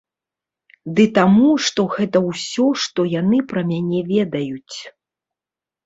Ды таму, што гэта ўсё, што яны пра мяне ведаюць.